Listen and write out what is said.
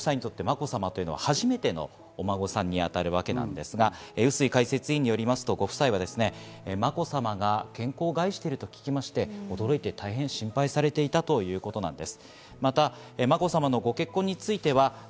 上皇ご夫妻にとってはまこさまは初めてのお孫さんに当たるわけなんですが、笛吹解説委員によりますと、ご夫妻はまこさまは健康を害されてると聞いて驚いて大変心配されていたということです。